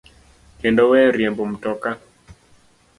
kendo weyo riembo mtoka.